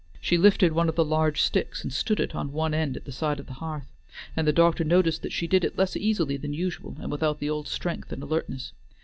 She lifted one of the large sticks and stood it on one end at the side of the hearth, and the doctor noticed that she did it less easily than usual and without the old strength and alertness.